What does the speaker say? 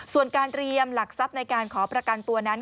ส่วนการเตรียมหลักทรัพย์ในการขอประกันตัวนั้น